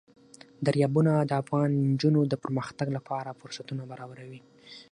دریابونه د افغان نجونو د پرمختګ لپاره فرصتونه برابروي.